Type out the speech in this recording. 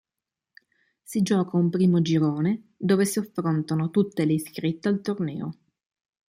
Si gioca un primo girone dove si affrontano tutte le iscritte al torneo.